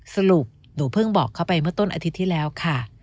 สรุปหนูเพิ่งบอกเขาไปเมื่อต้นอาทิตย์ที่แล้วค่ะ